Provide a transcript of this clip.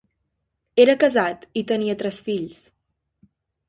Era casat i tenia tres fills.